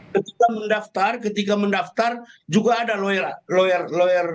ketika mendaftar ketika mendaftar juga ada lawyer